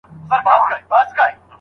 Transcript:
او چي روږد سي د بادار په نعمتونو